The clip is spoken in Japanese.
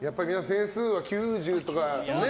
点数は９０とかね。